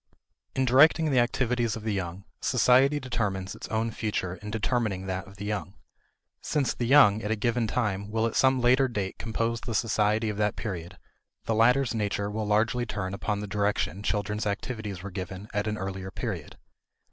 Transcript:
In directing the activities of the young, society determines its own future in determining that of the young. Since the young at a given time will at some later date compose the society of that period, the latter's nature will largely turn upon the direction children's activities were given at an earlier period.